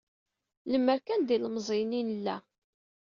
Lemer kan d ilemẓiyen i nella.